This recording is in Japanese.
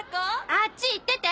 あっち行ってて！